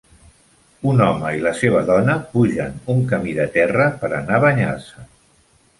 un home i la seva dona pugen un camí de terra per anar a banyar-se.